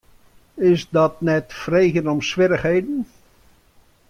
Is dat net freegjen om swierrichheden?